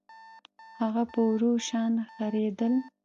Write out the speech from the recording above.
هغه په ورو شان خرېدل